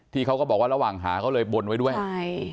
เขาก็บอกว่าระหว่างหาเขาเลยบนไว้ด้วยใช่